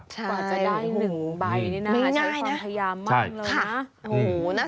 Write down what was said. กว่าจะได้หนึ่งใบนี่น่ะไม่ง่ายนะใช้ความพยายามมากเลยนะ